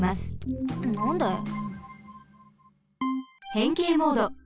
へんけいモード。